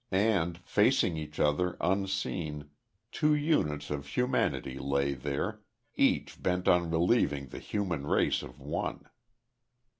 And, facing each other, unseen, two units of humanity lay there, each bent on relieving the human race of one.